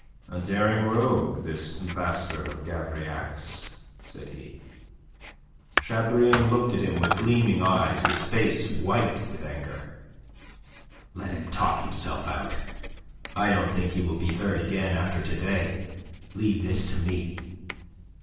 "A daring rogue, this bastard of Gavrillac's," said he. Chabrillane looked at him with gleaming eyes, his face white with anger. "Let him talk himself out. I don't think he will be heard again after to day. Leave this to me."